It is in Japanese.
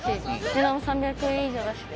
値段も３００円以上だしね。